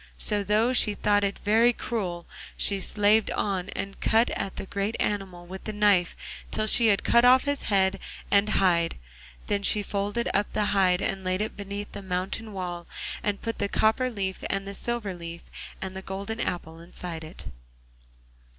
So though she thought it very cruel, she slaved on and cut at the great animal with the knife till she had cut off his head and hide, and then she folded up the hide and laid it beneath the mountain wall, and put the copper leaf, and the silver leaf, and the golden apple inside it.